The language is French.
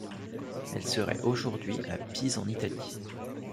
Elles seraient aujourd'hui à Pise en Italie.